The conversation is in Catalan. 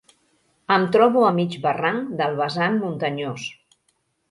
Em trobo a mig barranc del vessant muntanyós